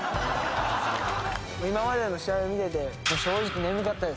今までの試合を見てて。